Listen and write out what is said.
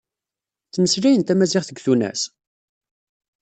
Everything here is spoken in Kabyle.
Ttmeslayen tamaziɣt deg Tunes?